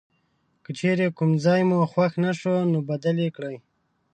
که چیرې کوم ځای مو خوښ نه شو نو بدل یې کړئ.